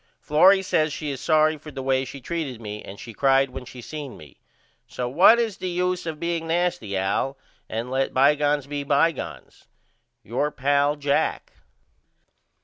Florrie says she is sorry for the way she treated me and she cried when she seen me. So what is the use of me being nasty Al? And let bygones be bygones. Your pal, JACK.